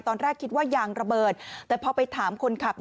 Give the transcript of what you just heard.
ตอนแรกคิดว่ายางระเบิดแต่พอไปถามคนขับ